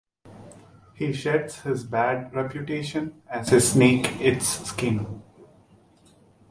He sheds his bad reputation as a snake its skin.